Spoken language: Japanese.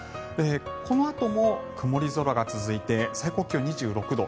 このあとも曇り空が続いて最高気温２６度。